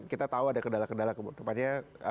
kita tahu ada kendala kendala ke depannya